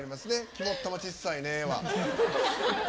「肝っ玉ちっさいね」は。